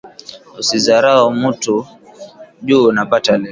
Usi zarau mutu ju unapata leo